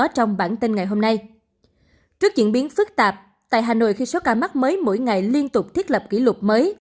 trước diễn biến phức tạp tại hà nội khi số ca mắc mới mỗi ngày liên tục thiết lập kỷ lục mới